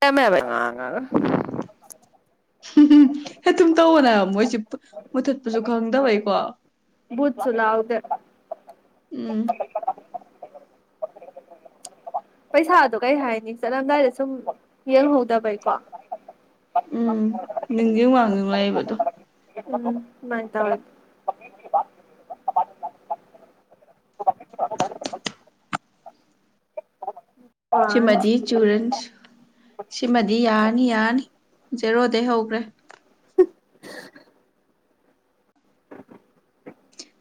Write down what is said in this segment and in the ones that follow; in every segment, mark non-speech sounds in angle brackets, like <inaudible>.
ꯂꯩꯔꯝꯃꯦꯕ ꯑꯗꯨꯝ ꯇꯧꯕꯅꯦ ꯃꯣꯏꯁꯤ ꯃꯨꯊꯠꯄꯁꯨ ꯈꯪꯗꯕꯩꯀꯣ ꯕꯨꯠꯁꯨ ꯂꯥꯎꯗꯦ ꯎꯝ ꯄꯩꯁꯥꯗꯣ ꯀꯩ ꯍꯥꯏꯅꯤ ꯆꯠꯂꯝꯗꯥꯏꯗ ꯁꯨꯝ ꯌꯦꯡꯍꯧꯗꯕꯩꯀꯣ ꯎꯝ ꯅꯤꯡꯖ ꯋꯥꯡꯖ ꯂꯩꯕꯗꯣ <inaudible> ꯋꯥꯅꯤ ꯁꯤꯃꯗꯤ ꯆꯨꯔꯟ ꯁꯤꯃꯗꯤ ꯌꯥꯟ ꯑꯅꯤ ꯌꯥꯅꯤ ꯖꯦꯔꯣꯗꯒꯤꯩ ꯍꯧꯈ꯭ꯔꯦ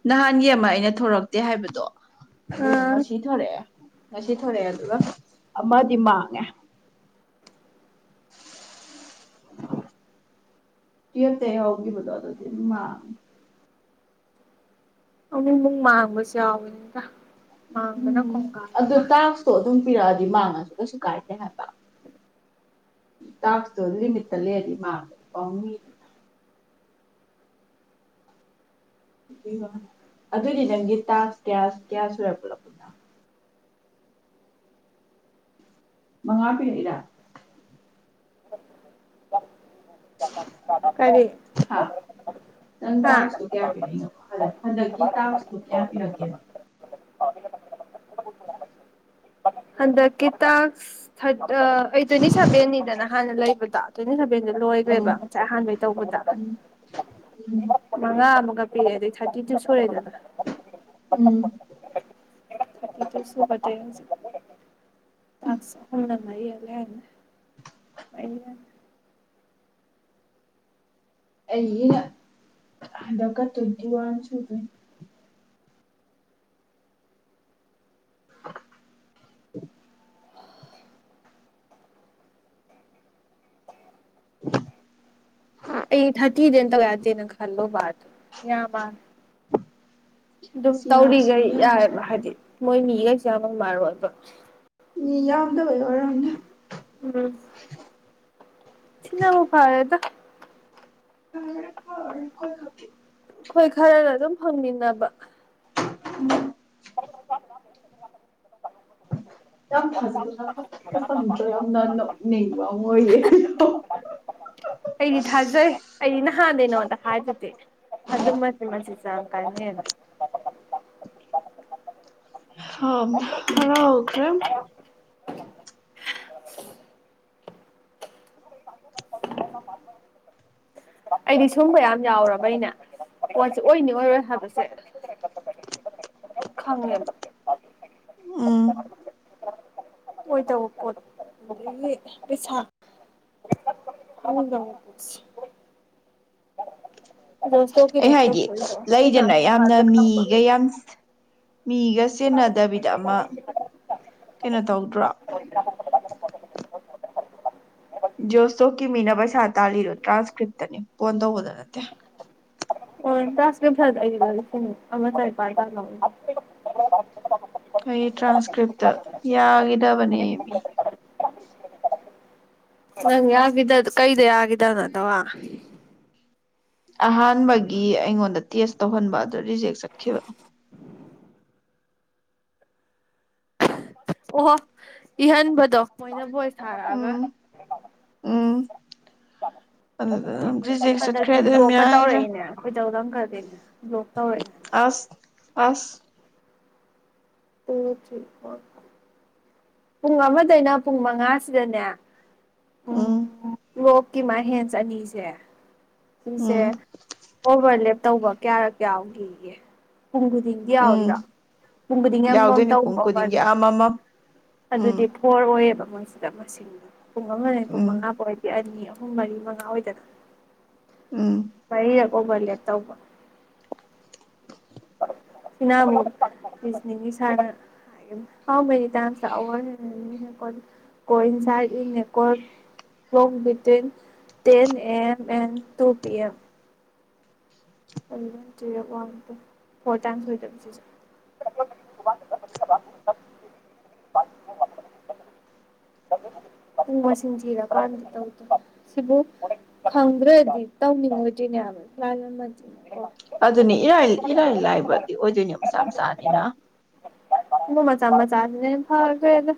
ꯅꯍꯥꯟꯒꯤ ꯑꯃ ꯑꯩꯅ ꯊꯣꯔꯛꯇꯦ ꯍꯥꯏꯕꯗꯣ ꯑꯗꯨꯗ ꯑꯥ ꯉꯁꯤ ꯊꯣꯔꯛꯑꯦ ꯉꯁꯤ ꯊꯣꯔꯛꯑꯦ ꯑꯗꯨꯒ ꯑꯃꯗꯤ ꯃꯥꯡꯉꯦ ꯇꯨꯌꯦꯞꯇ ꯍꯧꯈꯤꯕꯗꯣ ꯑꯗꯨꯗꯤ ꯃꯥꯡꯉꯦ ꯑ ꯃꯨ ꯃꯥꯥꯡꯒꯁ ꯀ ꯎꯝ ꯑꯗꯨ ꯇꯥꯣ ꯑꯗꯨꯝ ꯇꯥꯛꯄꯤꯔꯛꯑꯗꯤ ꯃꯥꯡꯉꯁꯨ ꯀꯩꯁꯨ ꯀꯥꯏꯗꯦ ꯍꯥꯏꯕ ꯇꯥꯛꯣ ꯑꯗꯨ ꯂꯤꯃꯤꯠꯇ ꯂꯩꯔꯗꯤ ꯃꯥꯡꯕꯗꯤ ꯄꯥꯎꯅꯤꯗꯅ ꯑꯗꯨꯅꯤ ꯅꯪꯒꯤ ꯇꯥꯁ ꯀ꯭ꯌꯥꯁ ꯀ꯭ꯌꯥ ꯁꯨꯔ ꯄꯨꯂꯛꯄꯅ ꯃꯉꯥꯕꯤꯔ ꯀꯔꯤ <inaudible> ꯍꯥ ꯅꯪ ꯍꯥ ꯇꯥꯁꯁꯨ ꯀꯌꯥ ꯄꯤꯔ ꯍꯟꯗꯛꯀꯤ ꯇꯥꯁꯇꯣ ꯀꯌꯥ ꯄꯤꯔꯛꯀꯦꯕ ꯑꯗ ꯀ ꯇ ꯊ ꯑ ꯑꯩꯗꯣꯏꯅꯤ ꯁꯥꯕꯦꯟꯅꯤꯗꯅ ꯍꯥꯟꯅ ꯂꯩꯕꯗ <inaudible> ꯎꯝ ꯂꯣꯏꯈ꯭ꯔꯦꯕ ꯉꯁꯥꯏ ꯑꯍꯥꯟꯕꯩ ꯇꯧꯕꯗ ꯎꯝ ꯃꯉꯥ ꯑꯃꯒ ꯄꯤꯔꯛꯑꯦ ꯑꯗꯨꯗꯩ ꯊꯥꯔꯇꯤ ꯇꯨ ꯁꯨꯔꯦꯗꯅ ꯎꯝ ꯁꯨꯗ ꯇꯁ ꯍꯅ ꯃ ꯂꯅ ꯑꯩ ꯍꯟꯗꯛꯀ ꯇꯨꯋꯇꯤ ꯋꯥꯟ ꯁꯨꯗꯅꯤ <inaudible> ꯑꯩ ꯊꯇꯗꯅꯇ ꯀꯗꯅ ꯈꯜꯂꯣ ꯌꯥ ꯃꯥ ꯑꯗꯨꯝ ꯁꯤ ꯌꯥꯔꯁꯨ ꯇꯧꯔꯤꯈꯩ ꯌꯥꯏꯑꯕ ꯌꯥꯔꯁꯅꯨ ꯍꯥꯏꯗꯤ ꯃꯣꯏ ꯃꯤꯈꯩꯁꯦꯃ ꯃꯥꯔꯣꯏꯕ ꯃꯤ ꯌꯥꯝꯗꯕꯣ ꯑꯔꯝꯗ ꯎꯝ ꯁꯤꯅꯕꯨ ꯐꯥꯦꯗ ꯔꯣꯏꯔꯈꯣꯏ ꯊꯄꯤ ꯑꯩꯈꯣꯏ ꯈꯔꯒ ꯑꯗꯨꯝ ꯐꯪꯃꯤꯟꯅꯕ ꯎꯝ <inaudible> ꯌꯥꯝ ꯊꯥꯖꯗꯅ ꯐ ꯆꯪꯗ꯭ꯔꯣ ꯌꯥꯝꯅ ꯅꯣꯛꯅꯤꯡꯕ ꯑꯃ ꯑꯣꯏꯌꯦꯦ ꯑꯩꯗꯤ ꯊꯥꯖꯩ ꯑꯩꯗꯤ ꯅꯍꯥꯟꯗꯩꯅꯣꯗ ꯍꯥꯏꯖꯗꯤꯦ ꯑꯗꯨꯃꯁꯦ ꯃꯁꯤꯁꯨꯦ ꯌꯥꯝ ꯀꯥꯟꯅꯩꯅ ꯍ ꯍꯔꯥꯎ ꯑꯣꯈ꯭ꯔꯦ ꯑꯩꯗꯤ ꯁꯨꯝꯕ ꯌꯥꯝ ꯌꯥꯎꯔꯕꯩꯅꯦ ꯄꯣꯠꯁꯦ ꯑꯣꯏꯅꯤ ꯑꯣꯏꯔꯣꯏ ꯍꯥꯏꯕꯁꯦ ꯈꯪꯉꯦꯕ ꯑꯣꯏꯣꯏ ꯇꯧꯕ ꯀꯣꯩꯁꯗ ꯍꯣꯁꯇꯣꯇꯣ ꯑꯩ ꯍꯥꯏꯗꯤ ꯂꯩꯗꯅ ꯊꯣꯛ ꯌꯥꯝꯅ ꯃꯤꯒ ꯌꯥꯝ ꯄ ꯃꯤꯒ ꯆꯦꯟꯅꯗꯕꯤꯗ ꯑꯃ ꯀꯩꯅꯣ ꯇꯧꯗ꯭ꯔꯣ ꯖꯣꯁꯣꯐꯀꯤ ꯃꯤꯅ ꯄꯩꯁꯥ ꯇꯥꯜꯂꯤꯔꯣ ꯇ꯭ꯔꯥꯟꯁꯀ꯭ꯔꯤꯞꯇꯅꯤ ꯐꯣꯟ ꯇꯧꯕꯗ ꯅꯠꯇꯦ ꯑꯣꯣꯏ ꯆꯥꯁꯀꯤ ꯐ ꯁꯤ ꯑꯃ ꯇꯔ <inaudible> ꯑꯩ ꯇ꯭ꯔꯥꯟꯁꯀ꯭ꯔꯤꯞꯇ ꯌꯥꯒꯗꯕꯅꯦꯃꯤ ꯅꯪ ꯌꯥꯈꯤꯗ ꯀꯩꯗ ꯌꯥꯈꯤꯗꯕꯅꯗꯕ ꯑꯍꯥꯟꯕꯒꯤ ꯑꯩꯉꯣꯟꯗ ꯇꯦꯁ ꯇꯧꯍꯟꯕ ꯑꯗꯨ ꯔꯤꯖꯦꯛ ꯆꯠꯈꯤꯕ ꯑꯣꯍꯣ ꯏꯍꯟꯕꯗꯣ ꯃꯣꯏꯅꯕꯨꯣꯏ ꯊꯔꯑꯒ ꯎꯝ ꯎꯝ ꯑꯗꯨꯗ ꯔꯤꯖꯦꯛ ꯆꯠꯈ꯭ꯔꯦ ꯍꯟꯗꯛꯛꯇꯦ ꯑꯗꯨ ꯑꯗꯨꯝ ꯕ꯭ꯂꯣꯛꯀ ꯌꯥꯒꯤꯗ꯭ꯔꯦ ꯇꯧꯔꯛꯏꯅꯦ ꯀꯩꯗꯧꯗ ꯈꯗꯤꯅꯦ ꯕ꯭ꯂꯣꯛ ꯇꯧꯔꯛꯏ ꯍꯟꯗꯛꯇꯦ ꯑꯁ ꯑꯁ ꯇ ꯆꯀ ꯄꯨꯡ ꯑꯃꯗꯩꯅ ꯄꯨꯡ ꯃꯉꯥꯁꯤꯗꯅꯦ ꯎꯝ ꯀꯤꯃꯥ ꯍꯦꯟꯁ ꯑꯅꯤꯁꯦ ꯁꯤꯁꯦ ꯎꯝ ꯑꯣꯕꯂꯦꯞ ꯇꯧꯕ ꯀꯌꯥꯔꯛ ꯀꯌꯥꯒꯤꯒꯦ ꯄꯨꯡ ꯈꯨꯗꯤꯡꯗꯤ ꯎꯝ ꯌꯥꯎꯔꯤꯕ ꯄꯨꯡ ꯈꯨꯗꯤꯡꯒꯤ ꯑꯃꯃꯝ ꯌꯥꯎꯗꯣꯏꯅꯤ ꯄꯨꯡ ꯇꯔꯑꯣ ꯈꯨꯗꯤꯡꯒꯤ ꯑꯩꯣꯏꯃꯦꯟ ꯑꯃꯃꯝ ꯎꯝ ꯑꯗꯨꯗꯤ ꯐꯣꯔ ꯑꯣꯏꯌꯦꯕ ꯃꯣꯏꯁꯤꯗ ꯑꯃꯅ ꯄꯨꯡ ꯑꯃꯅꯦ ꯄꯨꯡ ꯎꯝ ꯃꯉꯥ ꯐꯥꯎ ꯍꯥꯏꯗꯤ ꯑꯅꯤ ꯑꯍꯨꯝ ꯃꯔꯤ ꯃꯉꯥ ꯑꯣꯏꯗꯅ ꯎꯝ ꯑꯣꯕ ꯂꯦ ꯇꯕ ꯅꯥꯅ ꯍꯥꯎ ꯃꯦꯅꯤ ꯇꯥꯏ ꯑꯋꯥꯥꯏꯦꯀꯣꯡ between ten A M and two P M ꯑꯗꯨ ꯋꯥ ꯐꯣꯔꯗ ꯄ ꯃꯁꯤꯡ ꯊꯤꯔꯀꯥꯟ ꯇꯧꯗ ꯁꯤꯕꯨ ꯐꯪꯗ꯭ꯔꯗꯤ ꯇꯧꯅꯤꯡꯉꯗꯣꯏꯅꯦꯕ ꯂ ꯑꯗꯨꯅꯤ ꯏꯔꯥꯏꯜ ꯏꯔꯥꯏꯜ ꯍꯥꯏꯕꯗꯤ ꯑꯣꯏꯗꯣꯏꯅꯤ ꯃꯁꯥ ꯃꯁꯥ ꯑꯅꯤꯅ ꯃꯃ ꯆꯥ ꯃ ꯆꯥꯗꯅꯦ ꯐꯥꯒꯦꯗ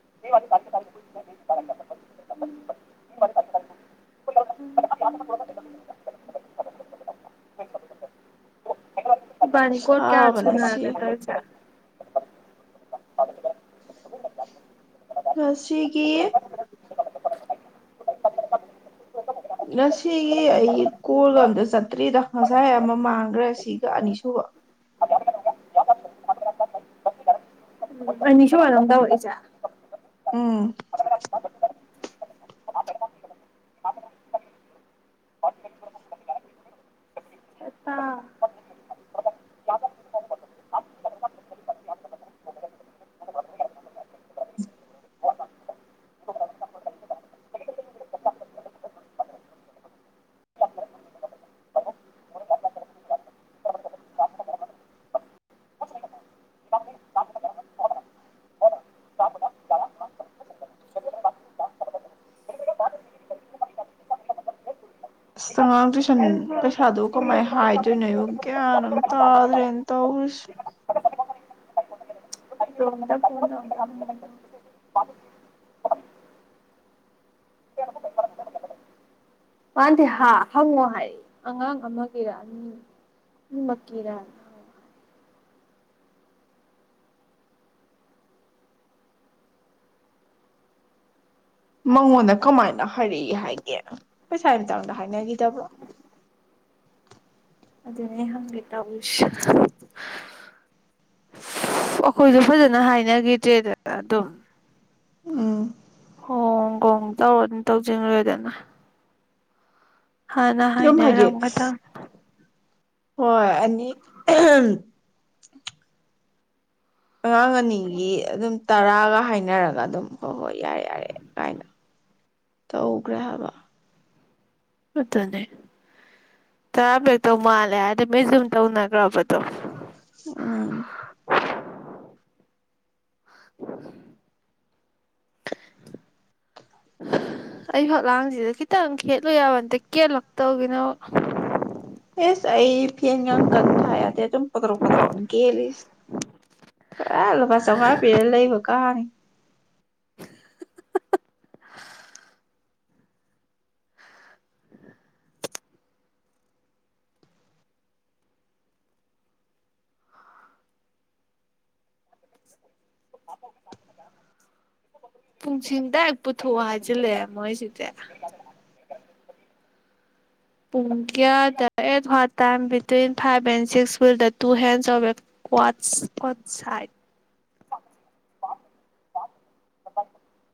<inaudible> ꯕꯥꯅꯤ ꯀꯣ ꯀꯌꯥꯁ ꯁꯥꯕꯅ ꯁꯤ ꯂꯦ ꯇꯁ <inaudible> ꯁꯠꯁꯤꯔꯤ ꯀ ꯉꯁꯤꯒꯤ ꯑꯩ ꯀꯒ ꯑꯃꯗ ꯆꯠꯇ꯭ꯔꯤꯗ ꯉꯁꯥꯏ ꯑꯃ ꯃꯥꯡꯈ꯭ꯔꯦ ꯁꯤꯒ ꯑꯅꯤ ꯁꯨꯕ ꯑꯅꯤꯁꯨ ꯋꯥꯔꯗ ꯑꯣꯏꯖ ꯎꯝ ꯁꯦꯇꯥ ꯑꯁꯇꯉꯥꯡ ꯇꯨꯏꯁꯟ ꯄꯩꯁꯥꯗꯣ ꯀꯃꯥꯏꯅ ꯍꯥꯏꯗꯣꯏꯅꯣ ꯑꯩꯨ ꯒ꯭ꯌꯥꯟ ꯑꯃꯝ ꯇꯥꯗ꯭ꯔꯦꯅ ꯇꯧꯔꯨꯁ ꯏꯇꯣꯝꯇ <inaudible> ꯃꯥꯥꯟꯗꯦ ꯍꯪꯉꯣ ꯍꯥꯏ ꯑꯉꯥꯡ ꯑꯃꯒꯤꯔꯅꯤ ꯑꯃꯛꯀꯤꯔ ꯃꯉꯣꯟꯗ ꯀꯃꯥꯏꯅ ꯍꯥꯏꯔꯛꯏ ꯍꯥꯏꯒꯦ ꯄꯩꯁꯥ ꯃꯇꯥꯡꯗ ꯍꯥꯏꯅꯈꯤꯗꯕ꯭ꯔꯣ ꯑꯗꯨꯅ ꯍꯥꯏꯒꯦ ꯁꯧꯔꯤꯁꯦ ꯑꯩꯈꯣꯏꯁꯨꯣ ꯐꯖꯅ ꯍꯥꯏꯅꯈꯤꯗ꯭ꯔꯦꯗ ꯑꯗꯨ ꯎꯝ ꯇꯧꯔꯥꯗꯤ ꯇꯧꯁꯤꯟꯒꯦꯗꯥꯅ ꯍꯥꯟꯅ ꯑꯗꯨꯝ ꯍꯥꯏꯗꯤ ꯍꯥꯏꯅꯔꯝꯒꯗ ꯍꯣꯏ ꯑꯅꯤ ꯑꯉꯥꯡ ꯑꯅꯤꯒꯤ ꯑꯗꯨꯝ ꯇꯔꯥꯒ ꯍꯥꯏꯅꯔꯒ ꯑꯗꯨꯝ ꯍꯣꯏ ꯍꯣꯏ ꯌꯥꯔꯦ ꯌꯥꯔꯦ ꯀꯥꯏꯅ ꯇꯧꯈꯒ꯭ꯔꯦ ꯍꯥꯏꯕ ꯑꯗꯨꯅꯦ ꯇꯔꯥꯕꯦꯛꯇꯧ ꯃꯥꯜꯂꯦ ꯍꯥꯏꯗꯤ ꯃꯖꯨꯝ ꯇꯧꯅꯒꯔꯕꯗꯣ ꯑꯗꯨꯨꯅꯦ ꯑꯣ ꯑꯩ ꯐꯛꯂꯥꯡꯁꯤꯗ ꯈꯤꯇꯪ ꯈꯦꯠꯂꯨ ꯌꯥꯕꯇꯦ ꯀꯦꯜꯂꯛꯇꯧꯒꯤꯅꯕꯨ ꯑꯦꯁ ꯑꯩ ꯐꯦꯟꯒ ꯀꯟꯅ ꯊꯥ ꯌꯥꯗꯗꯤ ꯑꯗꯨꯝ ꯄꯣꯗ꯭ꯔꯣ ꯄꯗ꯭ꯔꯣꯛꯅꯤ ꯀꯦꯜꯂꯤꯁꯤ ꯄꯨꯔꯥ ꯂꯨꯄꯥ ꯆꯧꯉꯥ ꯄꯤꯔꯒ ꯂꯩꯕ ꯀꯥꯅꯤ ꯄꯨꯡꯁꯤꯡ ꯗꯥꯔꯦꯛ ꯄꯨꯊꯣꯛꯑꯣ ꯍꯥꯏꯖꯤꯜꯂꯛꯑꯦ ꯃꯣꯏꯁꯤꯗꯦ ꯄꯨꯡ ꯀ꯭ꯌꯥꯗ at what time between five and six will the two hands of a ꯀ꯭ꯠꯁꯠ ꯁꯥꯏꯠ ꯆ <unintelligible>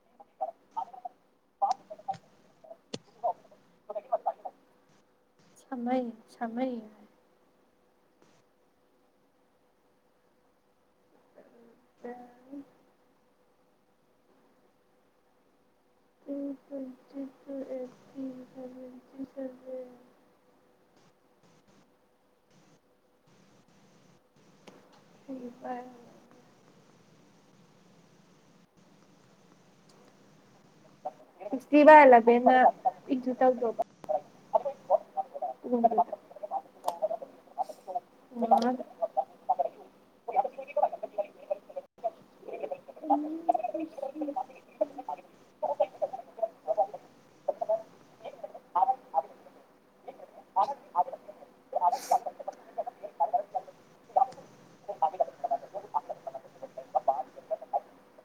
<unintelligible> ꯁꯃꯩ ꯁꯃꯩ ꯎꯝ ꯄꯖꯤ ꯑꯦꯊ ꯁꯁꯤ ꯁꯋꯦ <unintelligible> ꯁꯤ ꯐꯔ ꯁꯤꯛꯁꯇꯤ ꯕꯥꯢ ꯑꯂꯕꯦꯟꯅ ꯏꯟꯇꯨ ꯇꯧꯗꯣꯕ <unintelligible>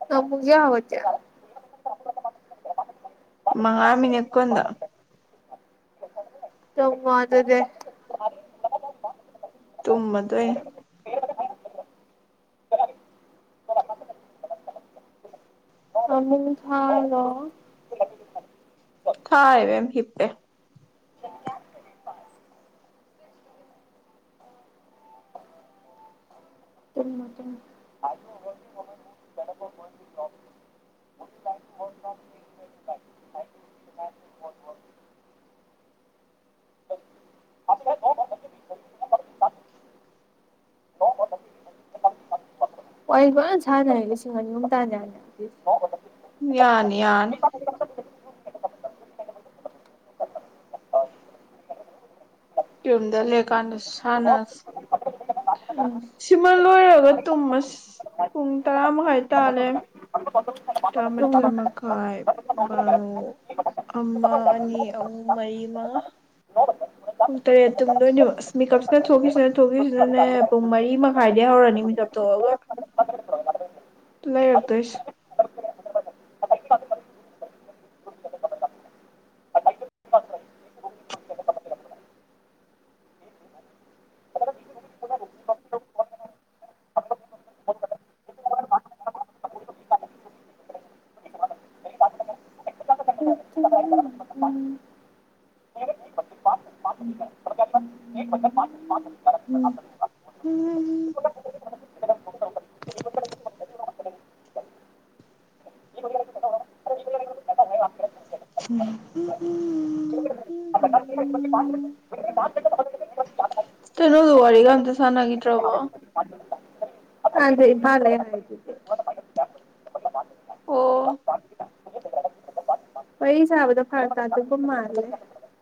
ꯅꯪ ꯄꯨꯡ ꯀꯌꯥ ꯍꯧꯒꯠꯀꯦ ꯃꯉꯥ ꯃꯤꯅꯠ ꯀꯨꯟꯗ ꯇꯨꯝꯃꯣ ꯑꯗꯨꯗꯤ ꯇꯨꯝꯃꯗꯣꯏ ꯐꯃꯨꯡ ꯊꯥꯂꯣ ꯊꯥꯔꯦ ꯢꯕꯦꯝ ꯍꯤꯞꯄꯦ <unintelligible> ꯋꯔꯤ ꯐꯖꯟ ꯁꯥꯅꯔꯗꯤ ꯂꯤꯁꯤꯡ ꯑꯅꯤ ꯑꯍꯨꯝ ꯇꯥꯟ ꯌꯥꯅꯤꯅ ꯌꯥꯅꯤ ꯌꯥꯅꯤ ꯌꯨꯝꯗ ꯂꯩꯑꯀꯥꯟꯗ ꯁꯥꯟꯅꯁꯤ ꯎꯝ ꯁꯤꯃ ꯂꯣꯏꯔꯒ ꯇꯨꯝꯃꯁꯤ ꯄꯨꯡ ꯇꯔꯥ ꯃꯈꯥꯏ ꯇꯥꯜꯂꯩꯔꯝ ꯇꯔꯥꯃꯊꯣꯢ ꯃꯈꯥꯏ ꯕꯥꯔꯣ ꯑꯃ ꯑꯅꯤ ꯑꯍꯨꯝ ꯃꯔꯤ ꯃꯉꯥ ꯄꯨꯡ ꯇꯔꯦꯠ ꯇꯨꯝꯗꯣꯏꯅꯦꯕ ꯑꯁ ꯃꯦꯀꯞꯁꯤꯅ ꯊꯣꯛꯈꯤꯁꯤꯅ ꯊꯣꯛꯈꯤꯁꯤꯅꯅꯦ ꯄꯨꯡ ꯃꯔꯤ ꯃꯈꯥꯏꯗꯒꯤ ꯍꯧꯔꯅꯤ ꯃꯤꯀꯞ ꯊꯣꯛꯑꯒ ꯂꯩꯔꯛꯇꯣꯏꯁꯦ ꯎꯝ ꯎꯝ ꯇꯩꯅꯣ ꯑꯗꯨ ꯋꯥꯔꯤꯒ ꯑꯝꯇ ꯁꯥꯟꯅꯈꯤꯗ꯭ꯔꯕꯣ ꯃꯥ ꯍꯥꯏ <unintelligible> ꯑꯣ ꯋꯥꯔꯤ ꯁꯥꯕꯗꯣ ꯐꯥꯔꯛ ꯇꯗꯧꯕ ꯃꯥꯜꯂꯦ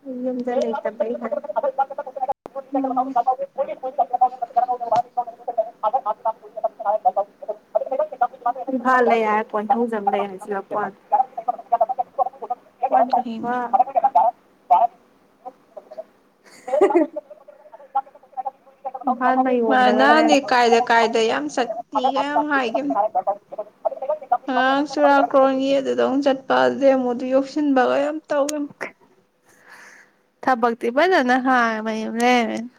ꯑꯩ ꯌꯨꯝꯗ ꯂꯩꯇꯕꯩ ꯑꯣꯝ ꯢꯝꯐꯥꯜ ꯂꯩ ꯍꯥꯢꯔꯥ ꯄꯣꯏꯊꯧꯖꯝ ꯂꯩ ꯍꯥꯏꯖꯤꯜꯂꯛꯄ꯭ꯋꯥꯅꯤ ꯑ <unintelligible> ꯏꯝꯐꯥꯜ ꯃꯌꯣꯟꯗꯒ ꯃꯥꯅꯥꯟꯗꯤ ꯂꯩꯔꯝꯃꯒ ꯀꯥꯏꯗ ꯀꯥꯏꯗ ꯌꯥꯝ ꯆꯠ ꯀꯤꯒ ꯌꯥꯝ ꯍꯥꯏꯒꯤꯝ ꯑꯉꯥꯡ ꯆꯨꯔꯥꯀꯣꯟꯒꯤ ꯑꯗꯨꯗ ꯃꯨꯛ ꯆꯠꯄ ꯃꯨꯗꯨꯗꯩ ꯑꯃꯨꯛ ꯑꯗꯨ ꯌꯧꯁꯤꯟꯕꯒ ꯌꯥꯝ ꯇꯧꯒꯤꯝ ꯊꯕꯛꯇꯤ ꯐꯖꯅ ꯍꯥꯡꯢ ꯃꯌꯨꯝ ꯂꯩꯔꯝꯃꯤꯅ꯫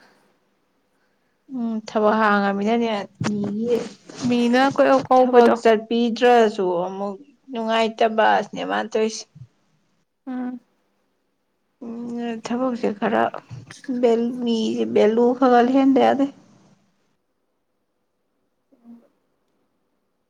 ꯎꯝ ꯊꯕꯛ ꯍꯥꯡꯉꯃꯤꯅꯅꯦ ꯃꯤꯒꯤ ꯃꯤꯅ ꯀꯣꯏ ꯀꯧꯕꯗꯣ ꯇ꯭ꯔꯁꯨ ꯑꯃꯨꯛ ꯅꯨꯡꯉꯥꯏꯇꯕꯁꯅꯦ ꯃꯥ ꯇꯣꯏꯁꯤ ꯎꯝ ꯎꯝ ꯊꯕꯛꯁꯦ ꯈꯔ ꯕꯦ ꯃꯤꯖꯦ ꯕꯂꯨ ꯈꯔ ꯂꯩ ꯍꯟꯗ ꯌꯥꯗꯦ